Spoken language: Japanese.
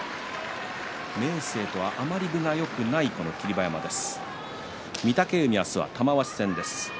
明生とは、あまり分がよくない霧馬山です。